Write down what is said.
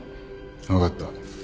分かった。